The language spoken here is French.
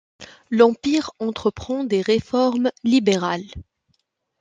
L'Empire entreprend des réformes libérales.